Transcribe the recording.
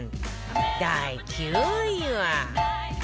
第９位は